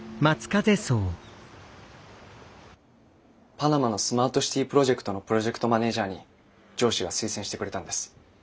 パナマのスマートシティプロジェクトのプロジェクトマネージャーに上司が推薦してくれたんです。